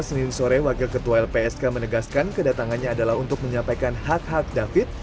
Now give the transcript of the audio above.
senin sore wakil ketua lpsk menegaskan kedatangannya adalah untuk menyampaikan hak hak david